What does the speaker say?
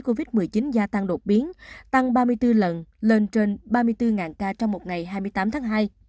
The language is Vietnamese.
số ca mắc mới covid một mươi chín gia tăng đột biến tăng ba mươi bốn lần lên trên ba mươi bốn ca trong một ngày hai mươi tám tháng hai